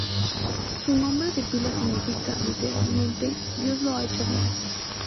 Su nombre de pila significa, literalmente ""Dios lo ha hecho bien"".